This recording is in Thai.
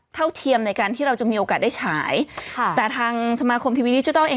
เทียมในการที่เราจะมีโอกาสได้ฉายค่ะแต่ทางสมาคมทีวีดิจิทัลเอง